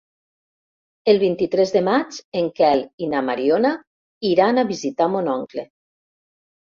El vint-i-tres de maig en Quel i na Mariona iran a visitar mon oncle.